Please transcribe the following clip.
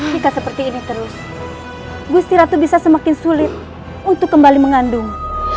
jika seperti ini terus gusti ratu bisa semakin sulit untuk kembali mengandung